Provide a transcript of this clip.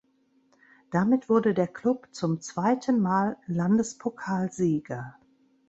Damit wurde der Klub zum zweiten Mal Landespokalsieger.